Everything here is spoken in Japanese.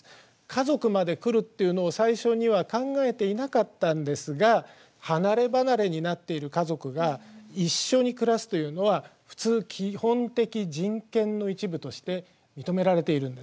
家族まで来るっていうのを最初には考えていなかったんですが離れ離れになっている家族が一緒に暮らすというのは普通基本的人権の一部として認められているんです。